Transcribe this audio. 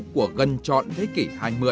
của gần trọn thế kỷ hai mươi